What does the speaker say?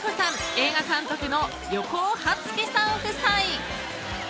映画監督の横尾初喜さん夫妻。